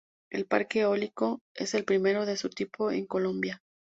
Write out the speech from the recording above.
El parque eólico es el primero de su tipo en Colombia.